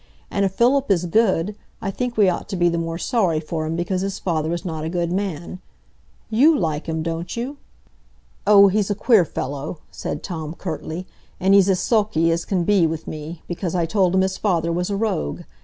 And if Philip is good, I think we ought to be the more sorry for him because his father is not a good man. You like him, don't you?" "Oh, he's a queer fellow," said Tom, curtly, "and he's as sulky as can be with me, because I told him his father was a rogue.